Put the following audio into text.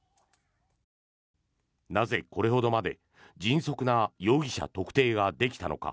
なで、これほどまで迅速な容疑者特定ができたのか。